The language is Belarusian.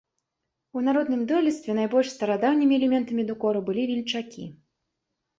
У народным дойлідстве найбольш старадаўнімі элементамі дэкору былі вільчакі.